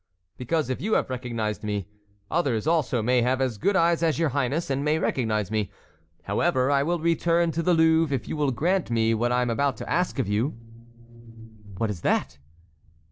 "Because if you have recognized me, others also may have as good eyes as your highness, and may recognize me. However, I will return to the Louvre if you will grant me what I am about to ask of you." "What is that?"